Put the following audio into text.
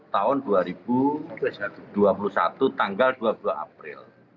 tahun dua ribu dua puluh satu tanggal dua puluh dua april